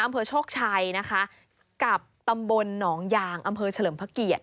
อำเภอโชคชัยนะคะกับตำบลหนองยางอำเภอเฉลิมพระเกียรติ